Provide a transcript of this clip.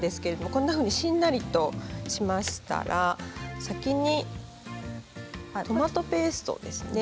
こんなふうにしんなりしましたら先にトマトペーストですね。